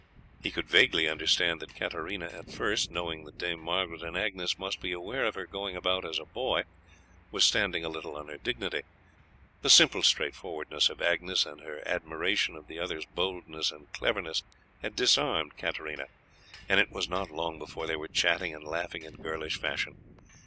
He could vaguely understand that Katarina at first, knowing that Dame Margaret and Agnes must be aware of her going about as a boy, was standing a little on her dignity. The simple straightforwardness of Agnes and her admiration of the other's boldness and cleverness had disarmed Katarina, and it was not long before they were chatting and laughing in girlish fashion.